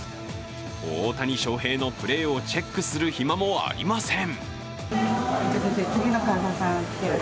大谷翔平のプレーをチェックする暇もありません。